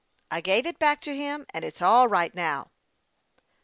" I gave it back to him, and it's all right now."